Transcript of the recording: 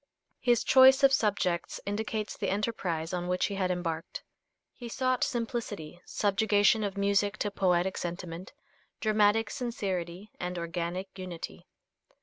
His choice of subjects indicates the enterprise on which he had embarked. He sought simplicity, subjugation of music to poetic sentiment, dramatic sincerity and organic unity.